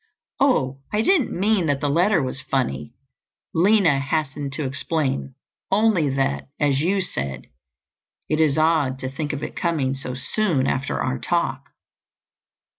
"Oh, I didn't mean that the letter was funny," Lina hastened to explain, "only that, as you said, it is odd to think of it coming so soon after our talk."